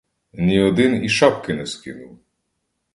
Ні один і шапки не скинув!